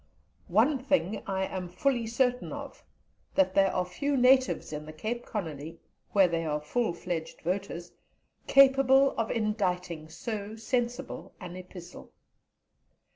One thing I am fully certain of, that there are few natives in the Cape Colony (where they are full fledged voters) capable of inditing so sensible an epistle.